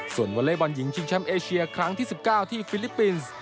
ส่วนวอเล็กบอลหญิงชิงแชมป์เอเชียครั้งที่๑๙ที่ฟิลิปปินส์